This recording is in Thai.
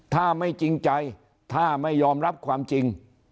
ถ้าไม่จริงใจถ้าไม่ยอมรับความจริง